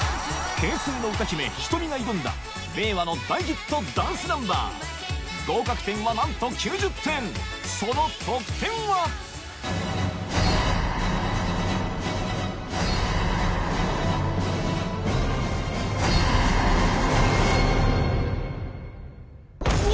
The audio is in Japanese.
平成の歌姫ｈｉｔｏｍｉが挑んだ令和の大ヒットダンスナンバー合格点はなんと９０点その得点はうお！